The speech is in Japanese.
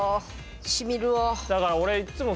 しみるわ。